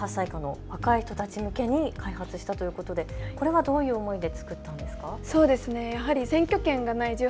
しかも１８歳以下の若い人たち向けに開発したということで、これはどういう思いで作ったんですか。